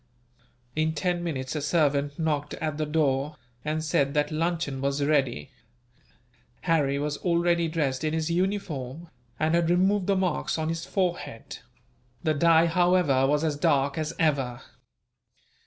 In ten minutes a servant knocked at the door, and said that luncheon was ready. Harry was already dressed in his uniform, and had removed the marks on his forehead; the dye, however, was as dark as ever.